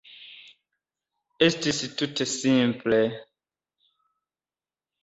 Estis tute simple.